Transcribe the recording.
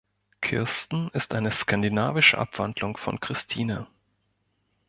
Kirsten ist eine skandinavische Abwandlung von Christine.